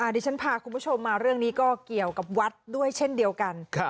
ดิฉันพาคุณผู้ชมมาเรื่องนี้ก็เกี่ยวกับวัดด้วยเช่นเดียวกัน